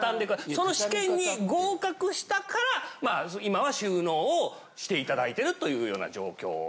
その試験に合格したから今は収納をしていただいてるというような状況。